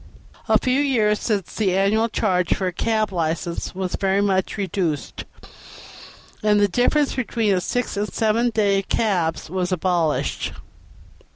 * A few years since the annual charge for a cab license was very much reduced, and the difference between the six and seven days' cabs was abolished.